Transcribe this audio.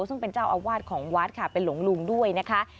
ซึ่งเป็นเจ้าอาวาสของวัดค่ะเป็นหลวงลุงด้วยนะคะ